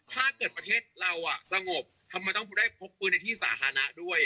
ประเทศเราสงบทำไมต้องได้พกปืนในที่สาธารณะด้วย